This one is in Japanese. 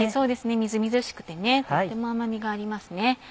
みずみずしくてとっても甘みがありますね。